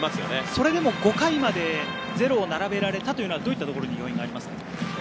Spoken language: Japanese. それでも５回までゼロを並べられたのはどういったところに要因がありますか？